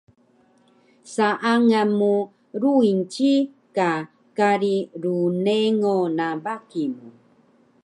Saangal mu Ruingci ka kari rnengo na baki mu